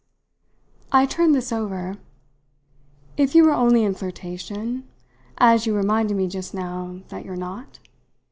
I turned this over. "If you were only in flirtation as you reminded me just now that you're not?